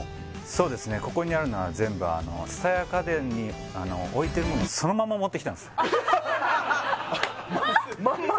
ここにあるのは全部蔦屋家電に置いてるものそのまま持ってきたんですまんま？